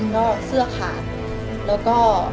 ถ้าเสื้อขาด